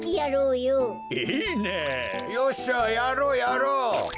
よっしゃやろうやろう！